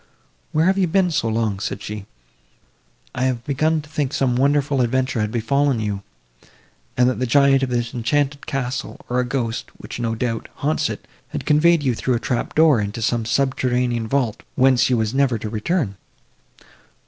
"Where have you been so long?" said she, "I had begun to think some wonderful adventure had befallen you, and that the giant of this enchanted castle, or the ghost, which, no doubt, haunts it, had conveyed you through a trap door into some subterranean vault, whence you were never to return."